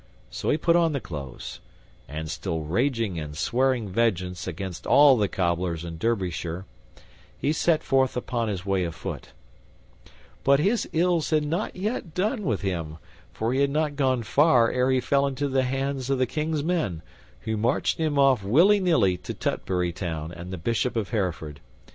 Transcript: So he put on the clothes, and, still raging and swearing vengeance against all the cobblers in Derbyshire, he set forth upon his way afoot; but his ills had not yet done with him, for he had not gone far ere he fell into the hands of the King's men, who marched him off, willy nilly, to Tutbury Town and the Bishop of Hereford.